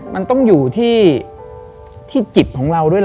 มันต้องอยู่ที่จิตของเราด้วยล่ะ